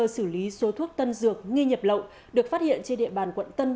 xin chào các bạn